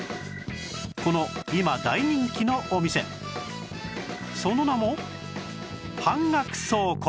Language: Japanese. この今大人気のお店その名も半額倉庫